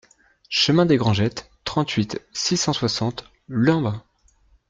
Chemin des Grangettes, trente-huit, six cent soixante Lumbin